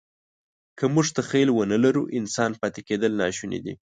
که موږ تخیل ونهلرو، انسان پاتې کېدل ناشوني دي.